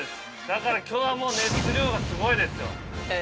だから、きょうはもう熱量がすごいですよ。